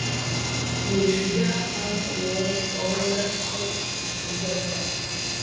ni ushujaa au ooga au kukwepa